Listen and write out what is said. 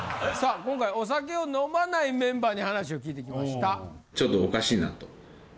今回お酒を飲まないメンバーに話を聞いてきました。